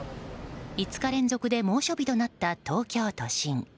５日連続で猛暑日となった東京都心。